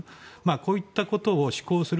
こういったことを志向する